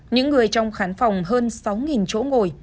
những người trong khán phòng hơn sáu chỗ ngồi